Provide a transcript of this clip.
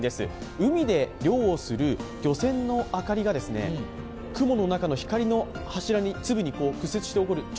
海で漁をする漁船の明かりが雲の中の柱に屈折して見える。